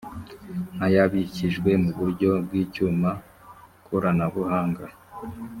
nk ayabikijwe mu buryo bw icyuma koranabuhanga